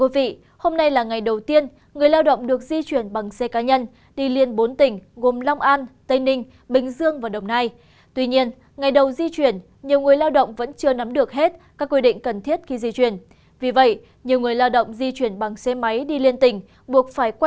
vì vậy nhiều người lao động di chuyển bằng xe máy đi liên tình buộc phải quay trở lại vì thiếu giấy tờ